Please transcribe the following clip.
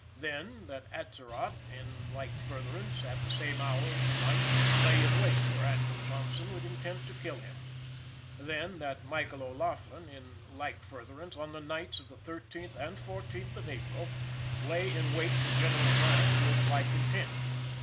Then, that Atzerodt, in like furtherance, at the same hour of the night, lay in wait for Andrew Johnson with intent to kill him. Then, that Michael O'Laughlin, in like furtherance, on the nights of the 13th and 14th of April, lay in wait for General Grant with like intent.